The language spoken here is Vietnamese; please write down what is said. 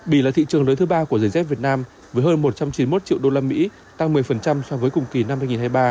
bỉ là thị trường lớn thứ ba của giấy dép việt nam với hơn một trăm chín mươi một triệu usd tăng một mươi so với cùng kỳ năm hai nghìn hai mươi ba